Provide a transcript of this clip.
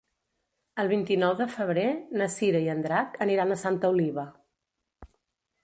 El vint-i-nou de febrer na Cira i en Drac aniran a Santa Oliva.